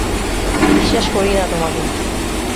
বিশ্বাস করি না তোমাকে।